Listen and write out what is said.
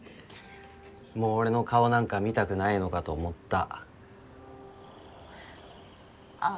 もう俺の顔なんか見たくないのかと思ったあっ